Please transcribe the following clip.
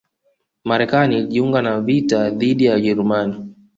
Marekani ilijiunga na vita dhidi ya Wajerumani